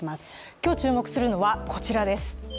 今日注目するのはこちらです。